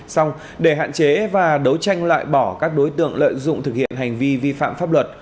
xong để hạn chế và đấu tranh loại bỏ các đối tượng lợi dụng thực hiện hành vi vi phạm pháp luật